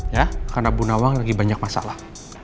ya karena bu nawang lagi banyak masalah